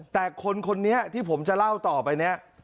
แต่คนคนนี้ที่ผมจะเล่าต่อไปเนี่ย